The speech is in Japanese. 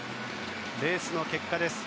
レースの結果です。